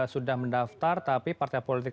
sudah mendaftar tapi partai politik